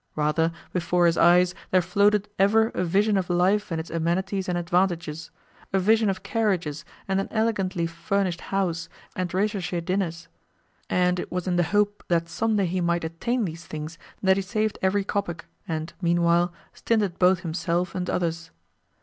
Rather, before his eyes there floated ever a vision of life and its amenities and advantages a vision of carriages and an elegantly furnished house and recherche dinners; and it was in the hope that some day he might attain these things that he saved every kopeck and, meanwhile, stinted both himself and others.